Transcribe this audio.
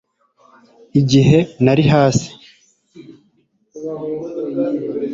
Igihe nari hasi